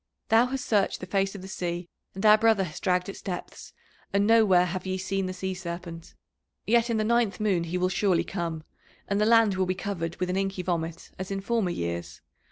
Thou hast searched the face of the sea, and our brother has dragged its depths, and nowhere have ye seen the Sea Serpent. Yet in the ninth moon he will surely come, and the land will be covered with an inky vomit as in former years.